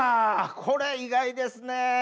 これ意外ですね。